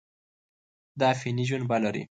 دا فني جنبه لري.